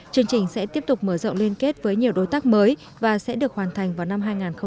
chương trình sẽ tiếp tục mở rộng liên kết với nhiều đối tác mới và sẽ được hoàn thành vào năm hai nghìn hai mươi